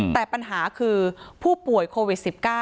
แต่ปัญหาคือผู้ป่วยโควิด๑๙